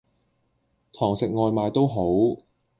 堂食外賣都好